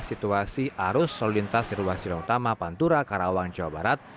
situasi arus sol lintas di ruang silang utama pantura karawang jawa barat